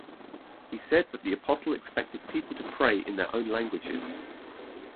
He said that the Apostle expected people to pray in their own languages.